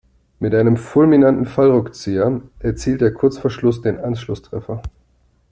Mit einem fulminanten Fallrückzieher erzielt er kurz vor Schluss den Anschlusstreffer.